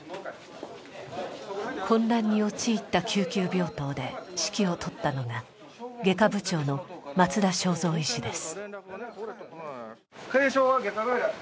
混乱に陥った救急病棟で指揮をとったのが外科部長の松田昌三医師です。